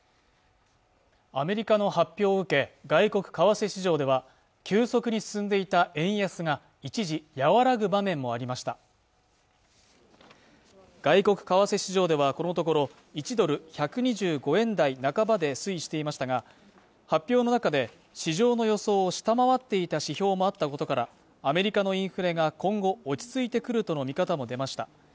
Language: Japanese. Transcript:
アメリカの発表を受け外国為替市場では急速に進んでいた円安が一時和らぐ場面もありました外国為替市場ではこのところ１ドル＝１２５円台半ばで推移していましたが発表の中で市場の予想を下回っていた指標もあったことからアメリカのインフレが今後落ち着いてくるとの見方も出ました